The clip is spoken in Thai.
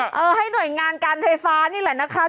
ให้หน่วยงานการไฟฟ้านี่แหละนะคะ